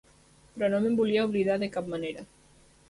Però no me'n volia oblidar de cap manera.